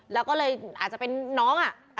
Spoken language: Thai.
และอาจจะเป็นน้องอ่ะ